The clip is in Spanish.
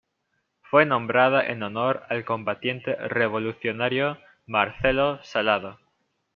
Fue nombrada en honor al combatiente revolucionario Marcelo Salado.